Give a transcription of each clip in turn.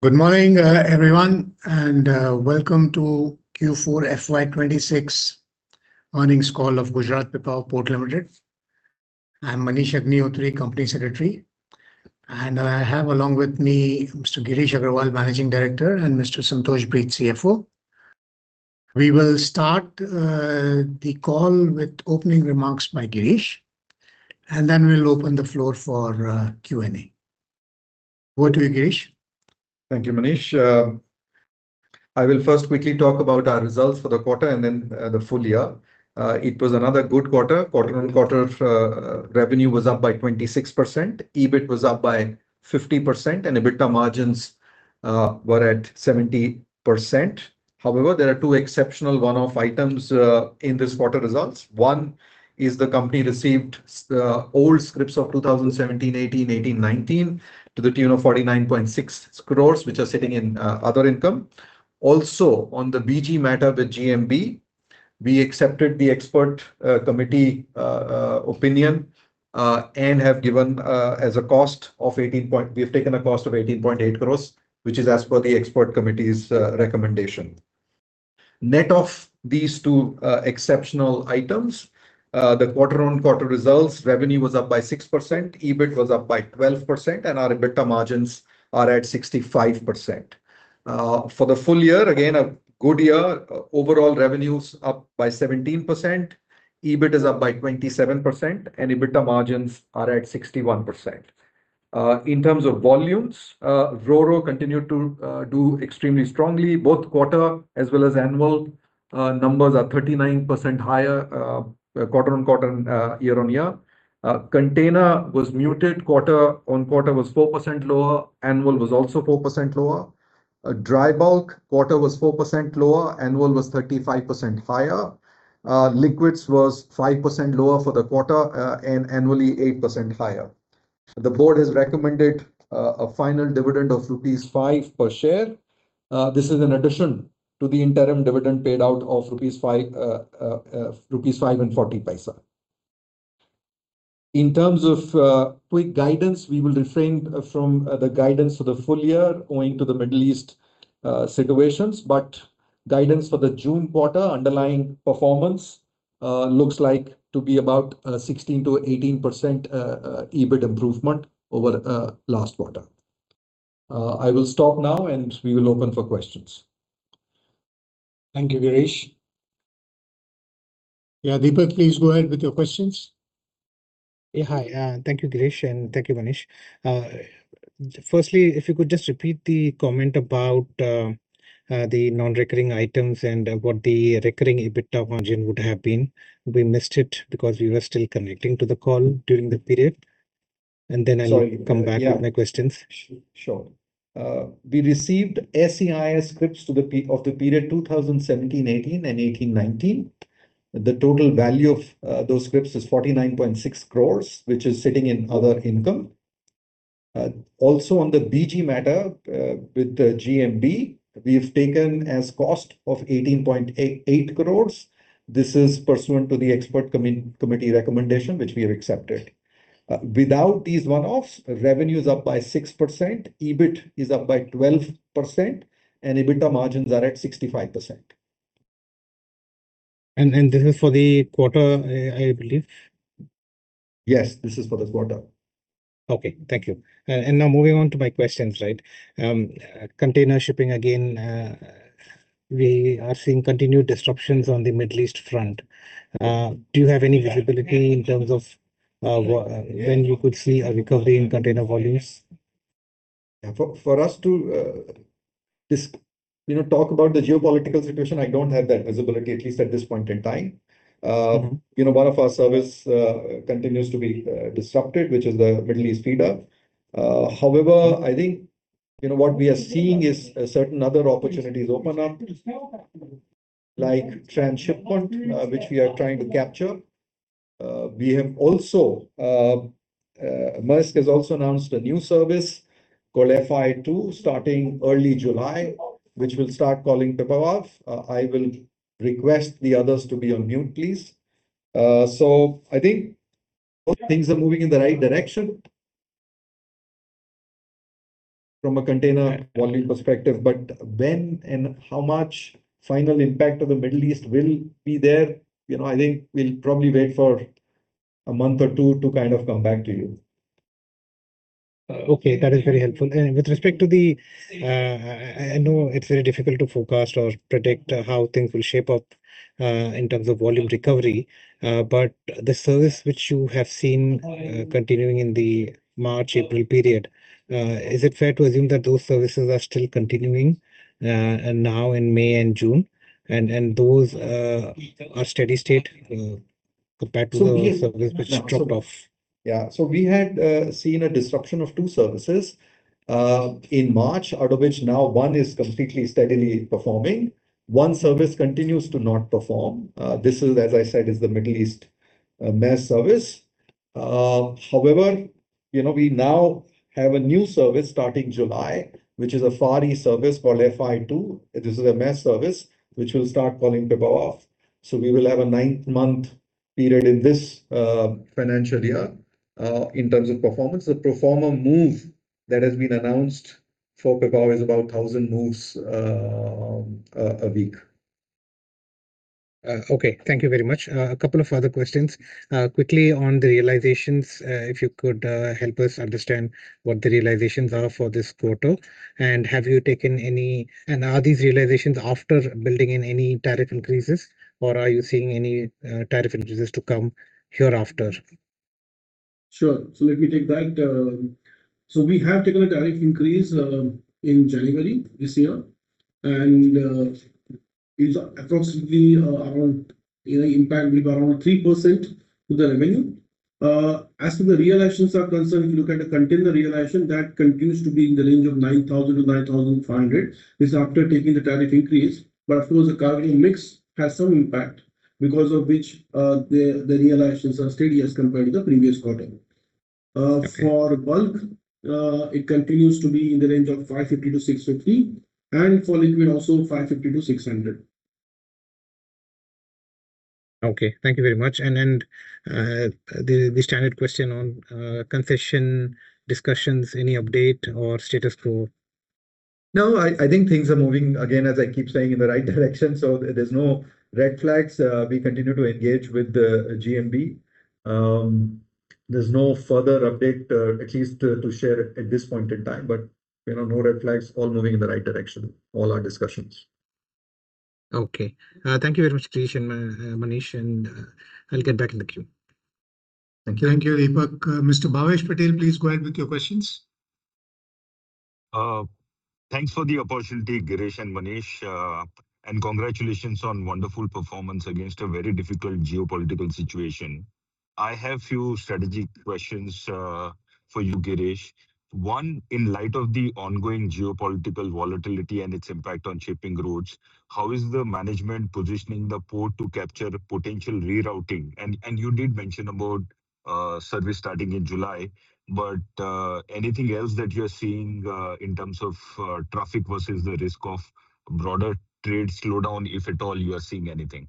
Good morning, everyone, welcome to Q4 FY 2026 earnings call of Gujarat Pipavav Port Limited. I'm Manish Agnihotri, Company Secretary, I have along with me Mr. Girish Aggarwal, Managing Director, and Mr. Santosh Breed, CFO. We will start the call with opening remarks by Girish, then we'll open the floor for Q&A. Over to you, Girish. Thank you, Manish. I will first quickly talk about our results for the quarter and then the full year. It was another good quarter. Quarter-over-quarter revenue was up by 26%, EBIT was up by 50%, and EBITDA margins were at 70%. There are two exceptional one-off items in this quarter results. One is the company received the old scrips of 2017-2018, 2018-2019 to the tune of 49.6 crore, which are sitting in other income. On the BG matter with GMB, we accepted the expert committee opinion, and we have taken a cost of 18.8 crore, which is as per the expert committee's recommendation. Net of these two exceptional items, the quarter-over-quarter results, revenue was up by 6%, EBIT was up by 12%, and our EBITDA margins are at 65%. For the full year, again, a good year. Overall revenues up by 17%, EBIT is up by 27%, EBITDA margins are at 61%. In terms of volumes, RoRo continued to do extremely strongly. Both quarter as well as annual numbers are 39% higher quarter-on-quarter and year-on-year. Container was muted. Quarter-on-quarter was four percent lower, annual was also four percent lower. Dry bulk, quarter was four percent lower, annual was 35% higher. Liquids was five percent lower for the quarter, annually, eight percent higher. The board has recommended a final dividend of rupees 5 per share. This is an addition to the interim dividend paid out of 5.40 rupees. In terms of quick guidance, we will refrain from the guidance for the full year owing to the Middle East situations, guidance for the June quarter underlying performance looks like to be about 16%-18% EBIT improvement over last quarter. I will stop now, and we will open for questions. Thank you, Girish. Yeah, Deepak, please go ahead with your questions. Yeah. Hi. Thank you, Girish, and thank you, Manish. Firstly, if you could just repeat the comment about the non-recurring items and what the recurring EBITDA margin would have been. We missed it because we were still connecting to the call during the period. Sorry. Yeah. come back with my questions. Sure. We received SEIS scrips of the period 2017-2018 and 2018-2019. The total value of those scrips is 49.6 crore, which is sitting in other income. Also on the BG matter, with GMB, we have taken as cost of 18.8 crore. This is pursuant to the expert committee recommendation, which we have accepted. Without these one-offs, revenue is up by 6%, EBIT is up by 12%, and EBITDA margins are at 65%. This is for the quarter, I believe? Yes, this is for the quarter. Okay. Thank you. Now moving on to my questions, right? Container shipping again. We are seeing continued disruptions on the Middle East front. Do you have any visibility in terms of when you could see a recovery in container volumes? Yeah. For us to talk about the geopolitical situation, I don't have that visibility, at least at this point in time. One of our service continues to be disrupted, which is the Middle East feeder. I think what we are seeing is certain other opportunities open up, like transshipment, which we are trying to capture. Maersk has also announced a new service called FI2, starting early July, which will start calling Pipavav. I will request the others to be on mute, please. I think things are moving in the right direction from a container volume perspective. When and how much final impact of the Middle East will be there, I think we'll probably wait for a month or two to come back to you. Okay. That is very helpful. I know it's very difficult to forecast or predict how things will shape up in terms of volume recovery. The service which you have seen continuing in the March, April period, is it fair to assume that those services are still continuing now in May and June, and those are steady state compared to the service which dropped off? We had seen a disruption of two services in March, out of which now one is completely steadily performing. One service continues to not perform. This is, as I said, is the Middle East MED service. However, we now have a new service starting July, which is a Far East service called FI2. This is a MED service which will start calling Pipavav. We will have a nine-month period in this financial year. In terms of performance, the pro forma move that has been announced for Pipavav is about 1,000 moves a week. Okay. Thank you very much. A couple of other questions. Quickly on the realizations, if you could help us understand what the realizations are for this quarter, and are these realizations after building in any tariff increases, or are you seeing any tariff increases to come hereafter? Sure. Let me take that. We have taken a tariff increase in January this year, and it's approximately around an impact of around 3% to the revenue. As to the realizations are concerned, if you look at the container realization, that continues to be in the range of 9,000 to 9,500. This is after taking the tariff increase. Of course, the cargo mix has some impact, because of which, the realizations are steady as compared to the previous quarter. Okay. For bulk, it continues to be in the range of 550-650, and for liquid also 550-600. Okay. Thank you very much. The standard question on concession discussions, any update or status quo? I think things are moving, again, as I keep saying, in the right direction, so there's no red flags. We continue to engage with the GMB. There's no further update, at least to share at this point in time. No red flags, all moving in the right direction, all our discussions. Okay. Thank you very much, Girish and Manish, and I'll get back in the queue. Thank you. Thank you, Deepak. Mr. Bhavesh Patel, please go ahead with your questions. Thanks for the opportunity, Girish and Manish, and congratulations on wonderful performance against a very difficult geopolitical situation. I have a few strategic questions for you, Girish. One, in light of the ongoing geopolitical volatility and its impact on shipping routes, how is the management positioning the port to capture potential rerouting? You did mention about service starting in July, but anything else that you're seeing in terms of traffic versus the risk of broader trade slowdown, if at all you are seeing anything?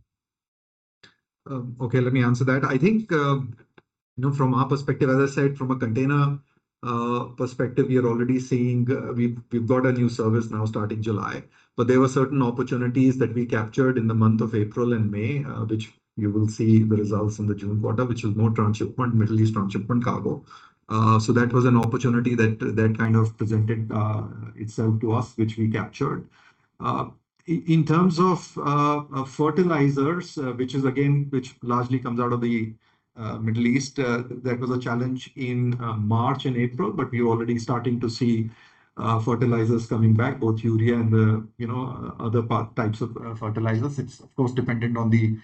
Okay, let me answer that. I think from our perspective, as I said, from a container perspective, we're already seeing we've got a new service now starting July. There were certain opportunities that we captured in the month of April and May, which you will see the results in the June quarter, which is more transshipment, Middle East transshipment cargo. That was an opportunity that kind of presented itself to us, which we captured. In terms of fertilizers, which largely comes out of the Middle East, that was a challenge in March and April, but we're already starting to see fertilizers coming back, both urea and other types of fertilizers. It's of course dependent on the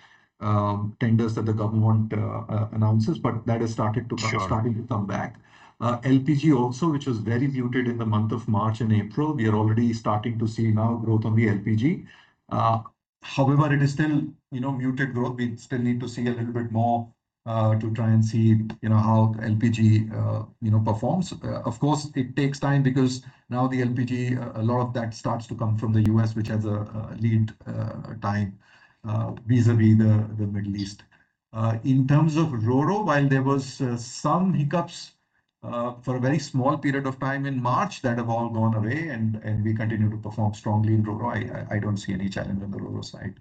tenders that the government announces, but that is starting to come back. Sure. LPG also, which was very muted in the month of March and April, we are already starting to see now growth on the LPG. It is still muted growth. We still need to see a little bit more to try and see how LPG performs. Of course, it takes time because now the LPG, a lot of that starts to come from the U.S., which has a lead time vis-à-vis the Middle East. In terms of RoRo, while there was some hiccups for a very small period of time in March, that have all gone away, and we continue to perform strongly in RoRo. I don't see any challenge on the RoRo side.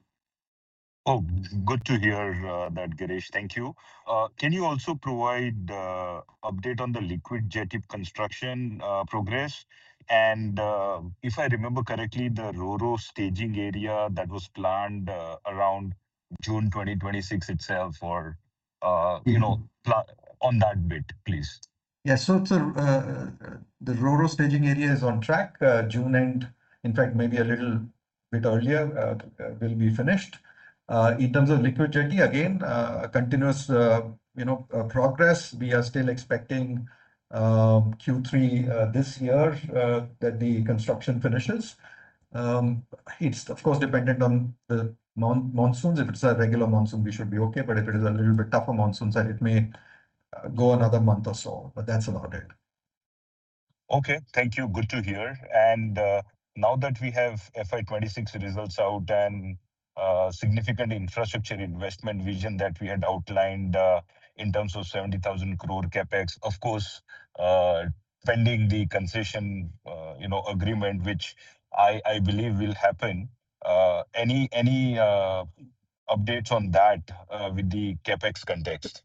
Oh, good to hear that, Girish. Thank you. Can you also provide update on the liquid jetty construction progress, and if I remember correctly, the RoRo staging area that was planned around June 2026 itself, or on that bit, please? Yeah. The RoRo staging area is on track. June, in fact maybe a little bit earlier, will be finished. In terms of liquid jetty, again, continuous progress. We are still expecting Q3 this year that the construction finishes. It's of course dependent on the monsoons. If it's a regular monsoon, we should be okay. If it is a little bit tougher monsoon side, it may go another month or so, but that's about it. Okay. Thank you. Good to hear. Now that we have FY 2026 results out and significant infrastructure investment vision that we had outlined in terms of 17,000 crore CapEx, of course, pending the concession agreement, which I believe will happen, any updates on that with the CapEx context?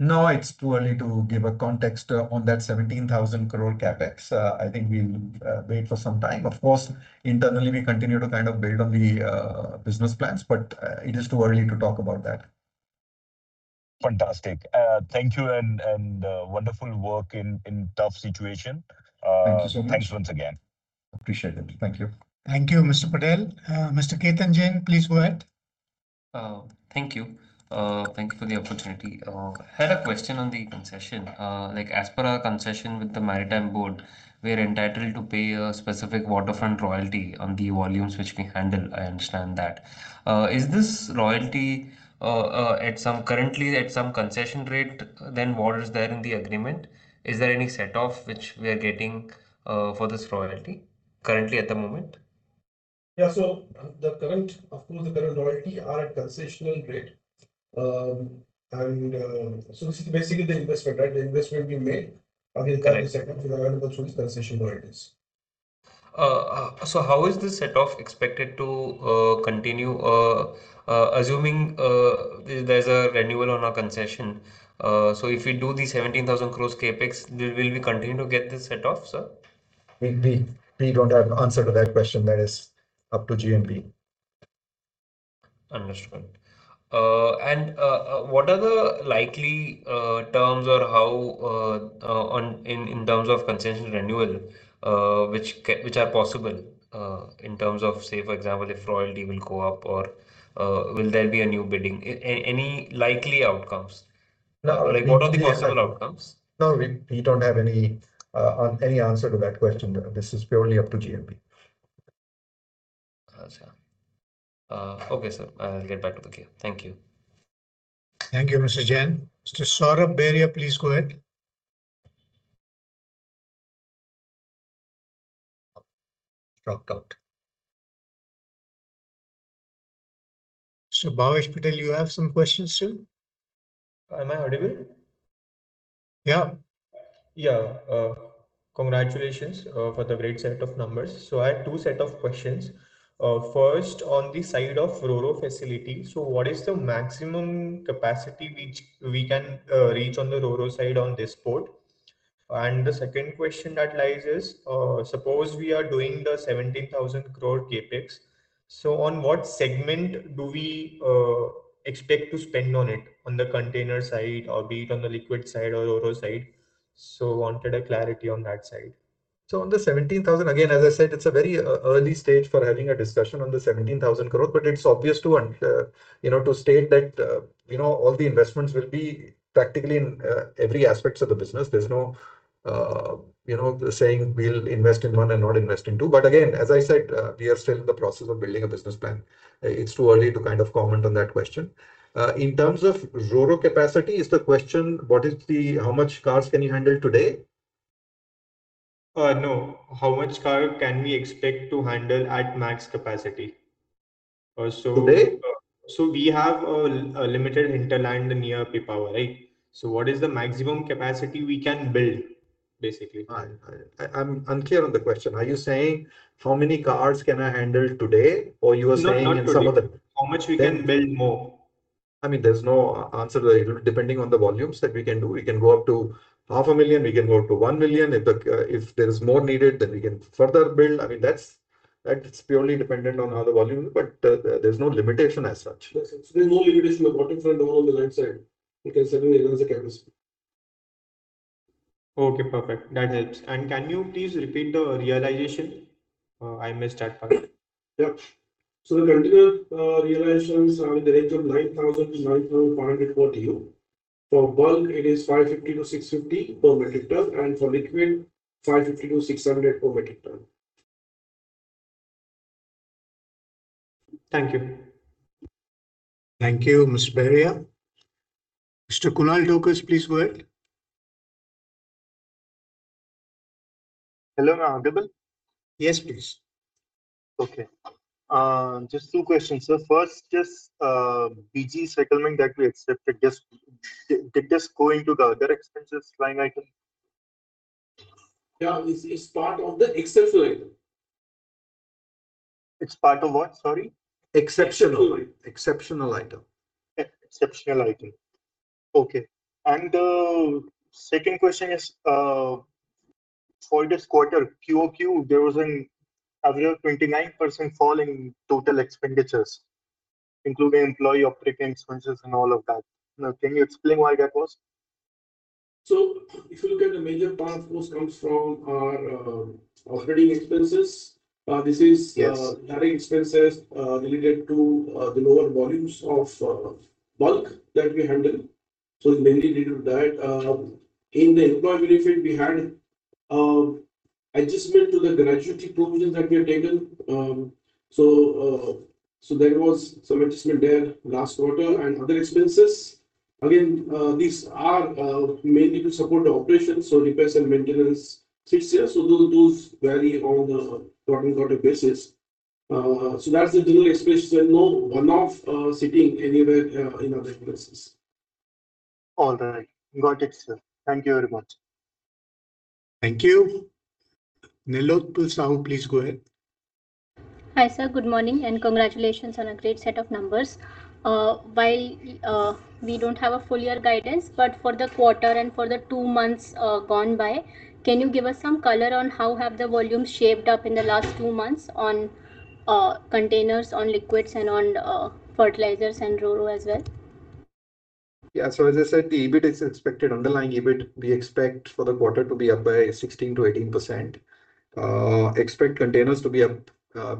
It's too early to give a context on that 17,000 crore CapEx. I think we'll wait for some time. Of course, internally, we continue to kind of build on the business plans, but it is too early to talk about that. Fantastic. Thank you, and wonderful work in tough situation. Thank you so much. Thanks once again. Appreciate it. Thank you. Thank you, Mr. Patel. Mr. Ketan Jain, please go ahead. Thank you. Thank you for the opportunity. I had a question on the concession. As per our concession with the Gujarat Maritime Board, we're entitled to pay a specific waterfront royalty on the volumes which we handle, I understand that. Is this royalty currently at some concession rate than what is there in the agreement? Is there any set off which we are getting for this royalty currently at the moment? Yeah. Of course, the current royalty are at concessional rate. This is basically the investment, right? The investment we made. Correct. Under the current settlement we are eligible for these concessional royalties. How is this set off expected to continue, assuming there's a renewal on our concession? If we do the 17,000 crore CapEx, will we continue to get this set off, sir? We don't have an answer to that question. That is up to GMB. Understood. What are the likely terms, or how in terms of concession renewal, which are possible in terms of, say, for example, if royalty will go up or will there be a new bidding? Any likely outcomes? No. What are the possible outcomes? No, we don't have any answer to that question. This is purely up to GMB. I see. Okay, sir. I'll get back to the queue. Thank you. Thank you, Mr. Jain. Mr. Saurabh Beria, please go ahead. Dropped out. Bhavesh Patel, you have some questions too? Am I audible? Yeah. Yeah. Congratulations for the great set of numbers. I have two set of questions. First, on the side of RoRo facility. What is the maximum capacity which we can reach on the RoRo side on this port? The second question that lises, suppose we are doing the 17,000 crore CapEx, so on what segment do we expect to spend on it, on the container side or be it on the liquid side or RoRo side? Wanted a clarity on that side. On the 17,000 crore, again, as I said, it's a very early stage for having a discussion on the 17,000 crore, but it's obvious to state that all the investments will be practically in every aspects of the business. There's no saying we'll invest in one and not invest in two. Again, as I said, we are still in the process of building a business plan. It's too early to comment on that question. In terms of RoRo capacity, is the question, how much cars can you handle today? No. How much car can we expect to handle at max capacity? Today? We have a limited hinterland near Pipavav, right? What is the maximum capacity we can build, basically? I'm unclear on the question. Are you saying how many cars can I handle today? No, not today. How much we can build more. There's no answer there. It will be depending on the volumes that we can do. We can go up to half a million, we can go up to 1 million. If there is more needed, then we can further build. That's purely dependent on how the volume, but there's no limitation as such. There's no limitation at bottom front or on the land side. We can certainly enhance the capacity. Okay, perfect. That helps. Can you please repeat the realization? I missed that part. Yeah. The container realizations are in the range of 9,000-9,500 per TEU. For bulk, it is 550-650 per metric ton, and for liquid, 550-600 per metric ton. Thank you. Thank you, Mr. Beria. Mr. Kunal Tokas, please go ahead. Hello, am I audible? Yes, please. Okay. Just two questions, sir. First, just BG settlement that we accepted, did this go into the other expenses line item? Yeah, it's part of the exceptional item. It's part of what, sorry? Exceptional. Exceptional item. Exceptional item. Okay. The second question is, for this quarter, QoQ, there was an average 29% fall in total expenditures, including employee operating expenses and all of that. Can you explain why that was? If you look at the major part, of course, comes from our operating expenses. Yes. This is carrying expenses related to the lower volumes of bulk that we handle. It's mainly related to that. In the employee benefit, we had adjustment to the gratuity provision that we have taken. There was some adjustment there last quarter and other expenses. Again, these are mainly to support the operations, so repairs and maintenance sits here. Those vary on the quarter-on-quarter basis. That's the general expenses. There's no one-off sitting anywhere in other expenses. All right. Got it, sir. Thank you very much. Thank you. Nilotpal Samal, please go ahead. Hi, sir. Good morning. Congratulations on a great set of numbers. While we don't have a full year guidance, but for the quarter and for the two months gone by, can you give us some color on how have the volumes shaped up in the last two months on containers, on liquids, and on fertilizers and RoRo as well? As I said, the EBIT is expected, underlying EBIT, we expect for the quarter to be up by 16%-18%. Expect containers to be up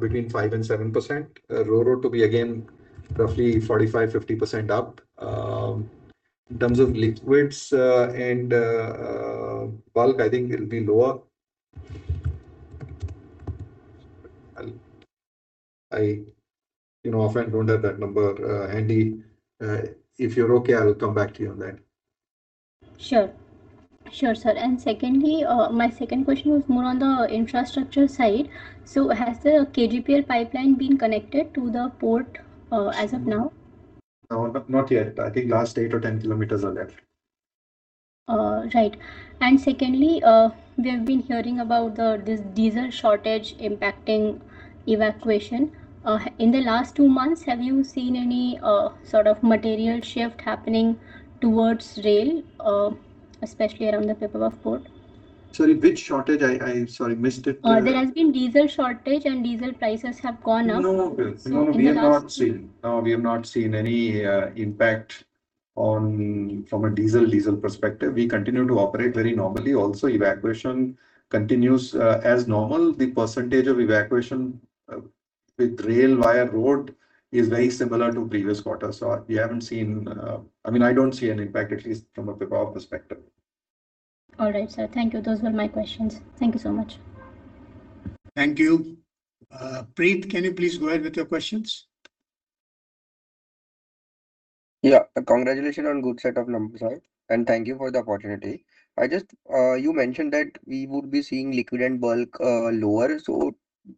between five and seven percent, RoRo to be again roughly 45%-50% up. In terms of liquids and bulk, I think it'll be lower. I often don't have that number handy. If you're okay, I'll come back to you on that. Sure, sir. Secondly, my second question was more on the infrastructure side. Has the KGPL pipeline been connected to the port as of now? No, not yet. I think last eight or 10 km are left. Right. Secondly, we have been hearing about this diesel shortage impacting evacuation. In the last two months, have you seen any sort of material shift happening towards rail, especially around the Pipavav Port? Sorry, which shortage? I, sorry, missed it. There has been diesel shortage and diesel prices have gone up. No. So in the last few- No, we have not seen any impact from a diesel perspective. We continue to operate very normally. Also, evacuation continues as normal. The percentage of evacuation with rail via road is very similar to previous quarters. We haven't seen, I mean, I don't see an impact, at least from a Pipavav perspective. All right, sir. Thank you. Those were my questions. Thank you so much. Thank you. Preet, can you please go ahead with your questions? Yeah. Congratulations on good set of numbers, sir. Thank you for the opportunity. You mentioned that we would be seeing liquid and bulk lower,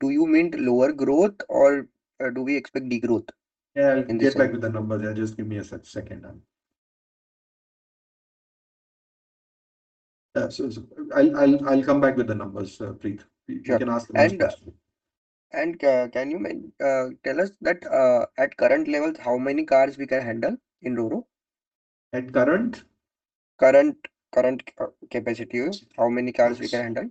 do you mean lower growth or do we expect degrowth in this one? Yeah, I'll get back with the numbers. Just give me a second. Yeah, I'll come back with the numbers, Preet. Yeah. You can ask the next question. Can you tell us that at current levels, how many cars we can handle in RoRo? At current? Current capacities, how many cars we can handle?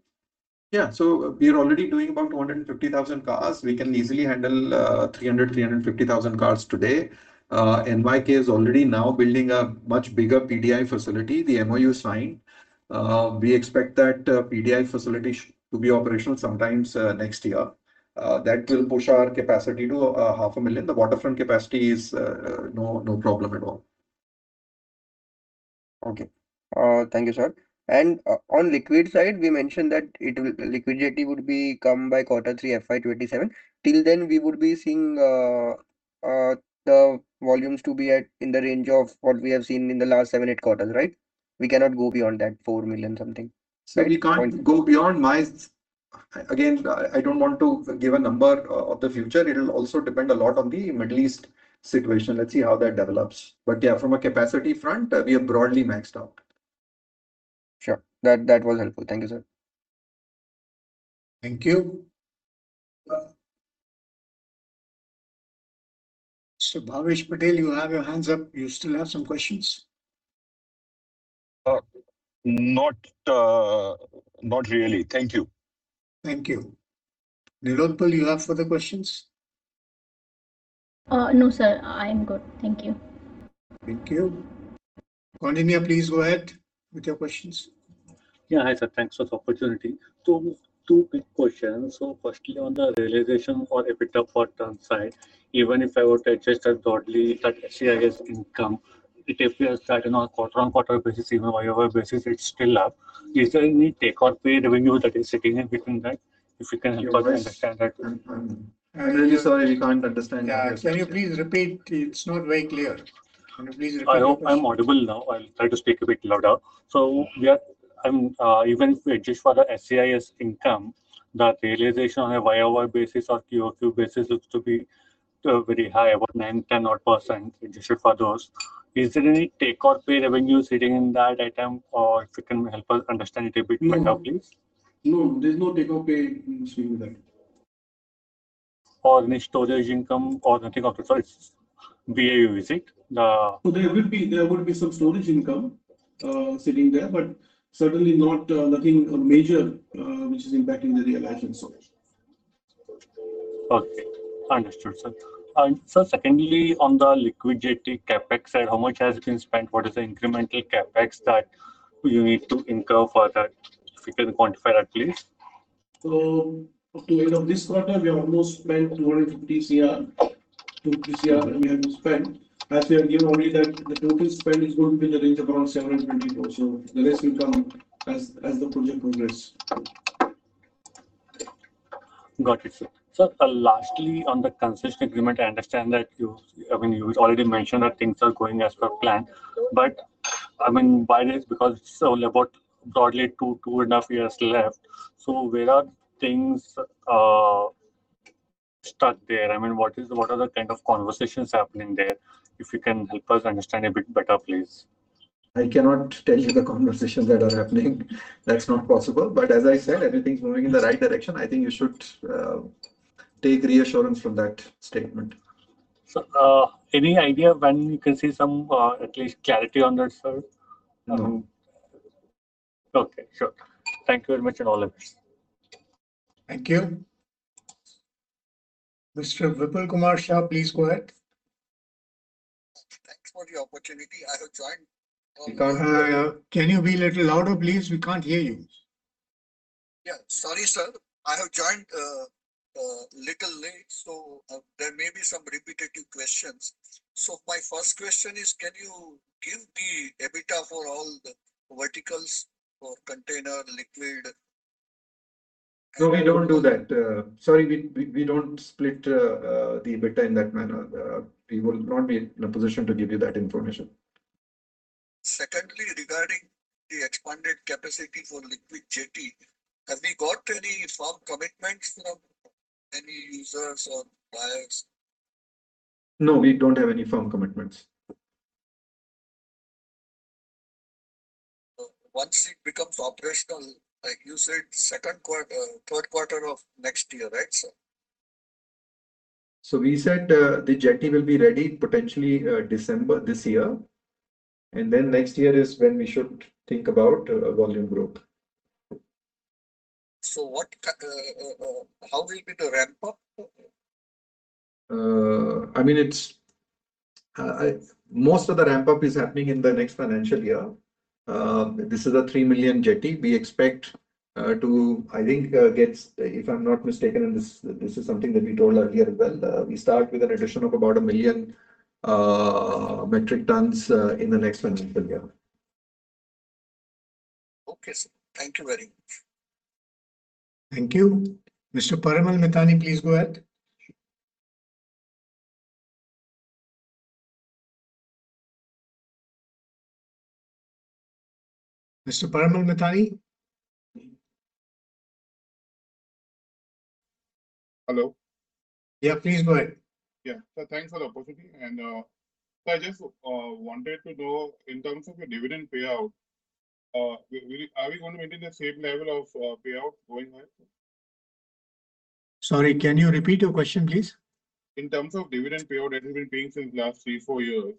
We are already doing about 250,000 cars. We can easily handle 300,000, 350,000 cars today. NYK is already now building a much bigger PDI facility, the MoU is signed. We expect that PDI facility to be operational sometimes next year. That will push our capacity to 500,000. The waterfront capacity is no problem at all. Okay. Thank you, sir. On liquid side, we mentioned that liquid jetty would be come by quarter three FY 2027. Till then, we would be seeing the volumes to be in the range of what we have seen in the last seven, eight quarters, right? We cannot go beyond that 4 million something. Sir, we can't go beyond my Again, I don't want to give a number of the future. It'll also depend a lot on the Middle East situation. Let's see how that develops. Yeah, from a capacity front, we are broadly maxed out. Sure. That was helpful. Thank you, sir. Thank you. Bhavesh Patel, you have your hands up. You still have some questions? Not really. Thank you. Thank you. Nilotpal, you have further questions? No, sir. I am good. Thank you. Thank you. please go ahead with your questions. Yeah. Hi, sir. Thanks for the opportunity. Two big questions. Firstly, on the realization for EBITDA for ton side, even if I were to adjust that broadly, that SEIS income, it appears that on a quarter-on-quarter basis, even year-over-year basis, it's still up. Is there any take or pay revenue that is sitting in between that? If you can help us understand that. I'm really sorry, we can't understand your question. Yeah. Can you please repeat? It's not very clear. Can you please repeat the question? I hope I'm audible now. I'll try to speak a bit louder. Even if we adjust for the SEIS income, the realization on a year-over-year basis or quarter-over-quarter basis looks to be very high, about nine, 10 odd %, adjusted for those. Is there any take or pay revenue sitting in that item? If you can help us understand it a bit better, please. No. There's no take or pay in between that. Or any storage income or nothing of the sort? BAU, is it? There would be some storage income sitting there, but certainly nothing major which is impacting the realization story. Okay. Understood, sir. Sir, secondly, on the liquidity CapEx side, how much has been spent? What is the incremental CapEx that you need to incur for that? If you can quantify that, please. Up to end of this quarter, we have almost spent 250 crore. 250 crore we have spent. As we have given already that the total spend is going to be in the range of around 720 crore. The rest will come as the project progress. Got it, sir. Sir, lastly, on the concession agreement, I understand that you, I mean, you already mentioned that things are going as per plan. I mean, by this, because it is only about broadly two and a half years left, where are things stuck there? I mean, what are the kind of conversations happening there? If you can help us understand a bit better, please. I cannot tell you the conversations that are happening. That's not possible. As I said, everything's moving in the right direction. I think you should take reassurance from that statement. Sir, any idea when we can see some, at least clarity on that, sir? No. Okay. Sure. Thank you very much. All the best. Thank you. Mr. Vipul Kumar Shah, please go ahead. Thanks for the opportunity. We can't hear. Can you be a little louder, please? We can't hear you. Yeah. Sorry, sir. I have joined little late, so there may be some repetitive questions. My first question is, can you give the EBITDA for all the verticals for container, liquid. No, we don't do that. Sorry, we don't split the EBITDA in that manner. We will not be in a position to give you that information. Secondly, regarding the expanded capacity for liquid jetty, have we got any firm commitments from any users or buyers? No, we don't have any firm commitments. Once it becomes operational, like you said, third quarter of next year, right, sir? We said, the jetty will be ready potentially December this year, and then next year is when we should think about volume growth. How will be the ramp-up? Most of the ramp-up is happening in the next financial year. This is a 3 million jetty. We expect to, I think, if I'm not mistaken, and this is something that we told earlier as well, we start with an addition of about 1 million metric tons in the next financial year. Okay, sir. Thank you very much. Thank you. Mr. Parimal Mithani, please go ahead. Mr. Parimal Mithani? Hello. Yeah, please go ahead. Yeah. Sir, thanks for the opportunity. I just wanted to know in terms of your dividend payout, are we going to maintain the same level of payout going live? Sorry, can you repeat your question, please? In terms of dividend payout that we've been paying since last three, four years,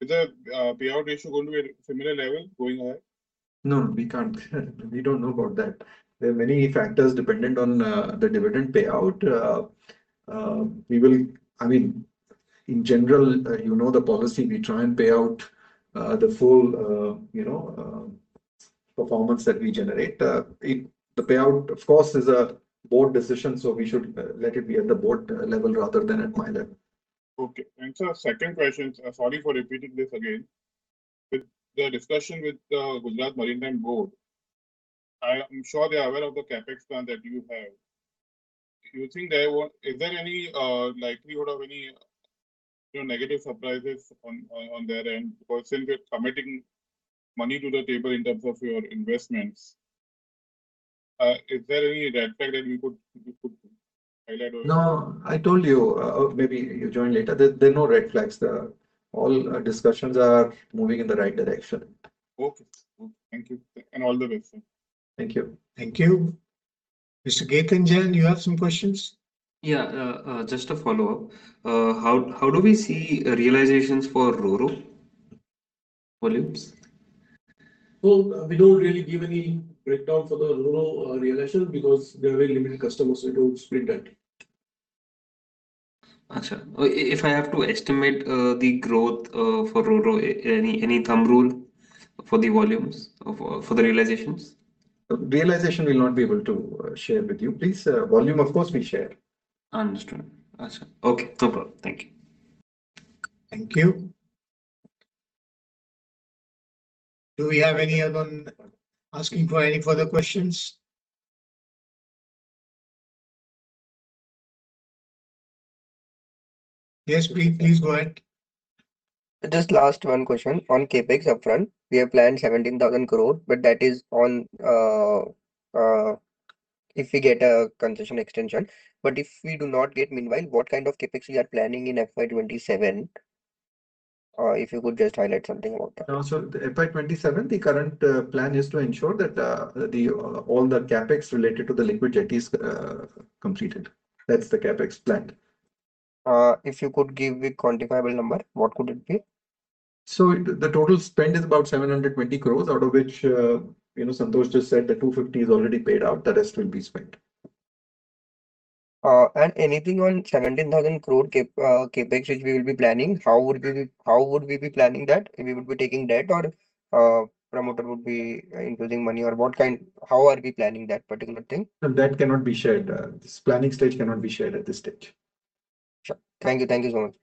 is the payout ratio going to be at similar level going ahead? No, we can't. We don't know about that. There are many factors dependent on the dividend payout. In general, you know the policy, we try and pay out the full performance that we generate. The payout, of course, is a board decision, so we should let it be at the board level rather than at my level. Okay. Sir, second question. Sorry for repeating this again. With the discussion with Gujarat Maritime Board, I am sure they are aware of the CapEx plan that you have. Is there any likelihood of any negative surprises on their end? For instance, committing money to the table in terms of your investments, is there any red flag that we could highlight? No, I told you. Maybe you joined later. There are no red flags there. All discussions are moving in the right direction. Okay. Thank you. All the best, sir. Thank you. Thank you. Mr. Ketan Jain, you have some questions? Yeah, just a follow-up. How do we see realizations for RoRo volumes? We don't really give any breakdown for the RoRo realization because there are very limited customers, so we don't split that. Okay. If I have to estimate the growth for RoRo, any thumb rule for the volumes for the realizations? Realization, we'll not be able to share with you. Please, volume, of course, we share. Understood. Okay. No problem. Thank you. Thank you. Do we have anyone asking for any further questions? Yes, Preet, please go ahead. Just last one question on CapEx upfront. We have planned 17,000 crore, but that is if we get a concession extension. If we do not get meanwhile, what kind of CapEx we are planning in FY 2027? If you could just highlight something about that. FY 2027, the current plan is to ensure that all the CapEx related to the liquid jetty is completed. That's the CapEx plan. If you could give a quantifiable number, what could it be? The total spend is about 720 crore, out of which Santosh just said that 250 is already paid out, the rest will be spent. Anything on 17,000 crore CapEx which we will be planning, how would we be planning that? We would be taking debt or promoter would be including money, or how are we planning that particular thing? No, that cannot be shared. This planning stage cannot be shared at this stage. Sure. Thank you. Thank you so much.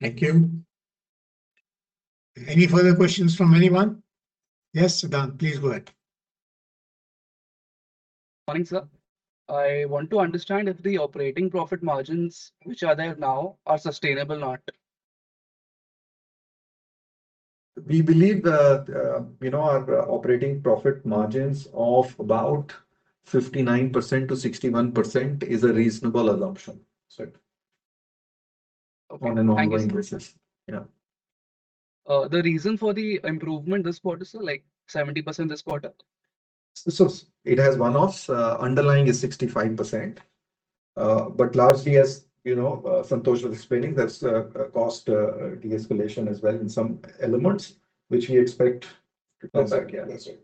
Thank you. Any further questions from anyone? Yes, Siddhant, please go ahead. Morning, sir. I want to understand if the operating profit margins which are there now are sustainable or not? We believe that our operating profit margins of about 59%-61% is a reasonable assumption, Siddhant. Okay. Thank you, sir. On an ongoing basis. Yeah. The reason for the improvement this quarter, sir, like 70% this quarter? It has one-offs. Underlying is 65%. Largely as [Santosh] was explaining, that's cost de-escalation as well in some elements, which we expect to come back. Okay. Yes, sir.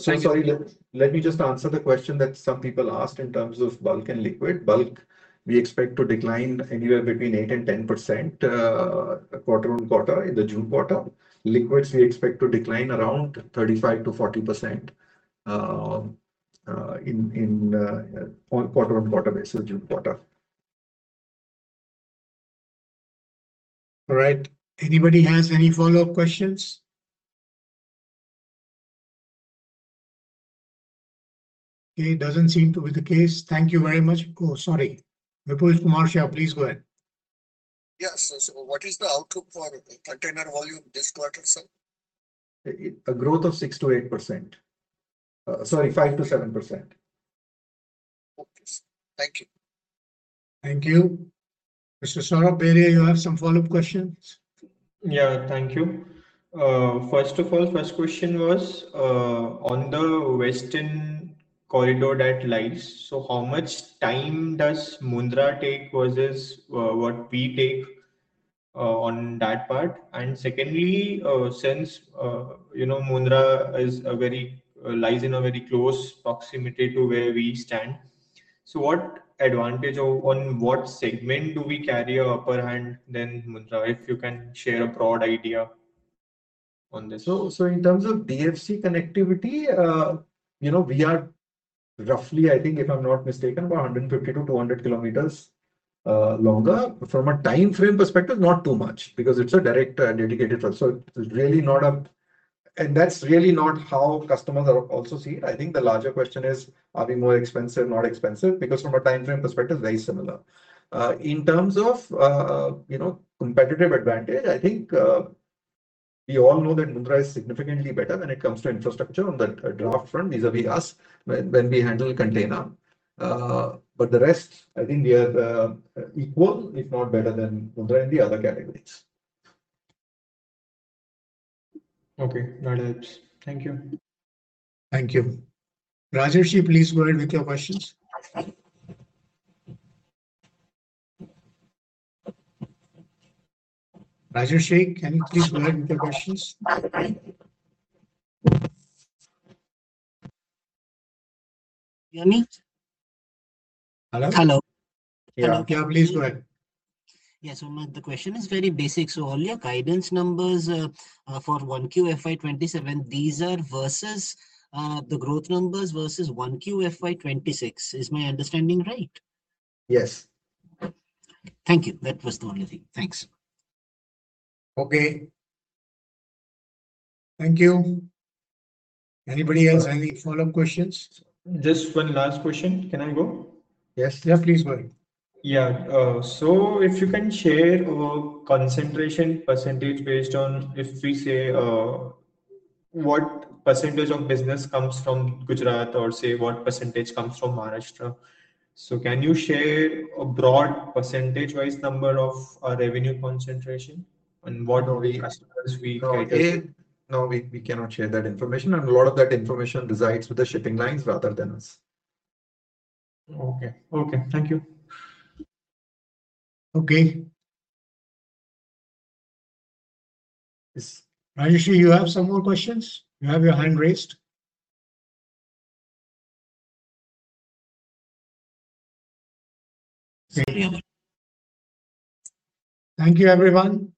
Thank you. Sorry, let me just answer the question that some people asked in terms of bulk and liquid. Bulk, we expect to decline anywhere between eight% and 10% quarter-on-quarter in the June quarter. Liquids, we expect to decline around 35%-40% on quarter-on-quarter basis, June quarter. All right. Anybody has any follow-up questions? Okay, doesn't seem to be the case. Thank you very much. Sorry. Vipul Kumar Shah, please go ahead. Yes. What is the outlook for container volume this quarter, sir? A growth of 6%-8%. Sorry, 5%-7%. Okay, sir. Thank you. Thank you. Mr. Saurabh Beria, you have some follow-up questions? Yeah. Thank you. First of all, first question was on the western corridor that lies. How much time does Mundra take versus what we take on that part? Secondly, since Mundra lies in a very close proximity to where we stand, so what advantage or on what segment do we carry our upper hand than Mundra? If you can share a broad idea on this. In terms of DFC connectivity, we are roughly, I think, if I'm not mistaken, about 150 to 200 kilometers longer. From a timeframe perspective, not too much because it's a direct and dedicated route. That's really not how customers also see it. I think the larger question is, are we more expensive, not expensive? From a timeframe perspective, very similar. In terms of competitive advantage, I think we all know that Mundra is significantly better when it comes to infrastructure on the draft front vis-à-vis us when we handle container. The rest, I think we are equal, if not better than Mundra in the other categories. Okay. That helps. Thank you. Thank you. Rajarshi, please go ahead with your questions. Rajarshi, can you please go ahead with your questions? Yeah, Manish? Hello? Hello. Yeah. Please go ahead. Yeah. The question is very basic. All your guidance numbers for 1Q FY 2027, these are versus the growth numbers versus 1Q FY 2026. Is my understanding right? Yes. Thank you. That was the only thing. Thanks. Okay. Thank you. Anybody else, any follow-up questions? Just one last question. Can I go? Yes. Yeah, please go ahead. Yeah. If you can share a concentration percentage based on, if we say, what percentage of business comes from Gujarat, or say, what percentage comes from Maharashtra. Can you share a broad percentage-wise number of revenue concentration and what are we as far as we. No, we cannot share that information, and a lot of that information resides with the shipping lines rather than us. Okay. Thank you. Okay. Rajarshi, you have some more questions? You have your hand raised. Thank you everyone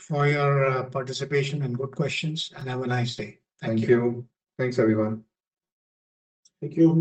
for your participation and good questions. Have a nice day. Thank you. Thank you. Thanks everyone. Thank you.